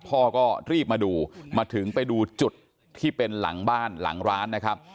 พ่อก็รีบมาดูมาถึงไปดูจุดที่เป็นหลังบ้านหลังร้านนะครับ